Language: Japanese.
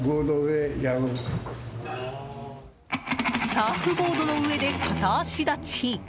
サーフボードの上で片足立ち。